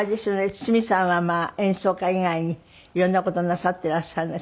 堤さんは演奏家以外に色んな事をなさっていらっしゃるんですけど。